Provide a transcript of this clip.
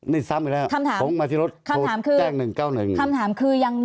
นี่ซ้ำเองกับจะมาที่รถออกจาก๑๙๑